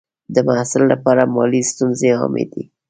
د محصل لپاره مالي ستونزې عامې دي.